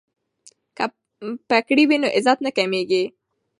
که پګړۍ وي نو عزت نه کمیږي.